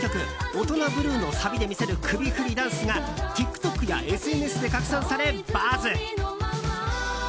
「オトナブルー」のサビで見せる首振りダンスがＴｉｋＴｏｋやＳＮＳで拡散されＢＵＺＺ！